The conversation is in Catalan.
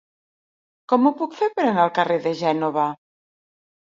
Com ho puc fer per anar al carrer de Gènova?